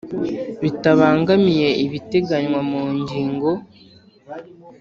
Bitabangamiye ibiteganywa mu ngingo